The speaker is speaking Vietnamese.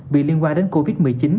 vì liên quan đến covid một mươi chín